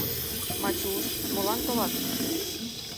Мачуш, молан толат?